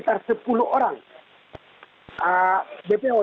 dari keterangan pak jokowi